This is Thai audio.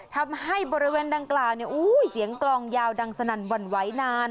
ทำให้บริเวณดังกล่าวเสียงกลองยาวดังสนั่นหวั่นไหวนาน